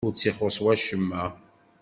Ur tt-ixuṣṣ wacemma?